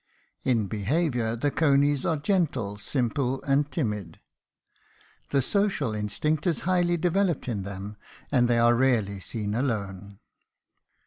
In behavior the conies are gentle, simple, and timid. The social instinct is highly developed in them, and they are rarely seen alone.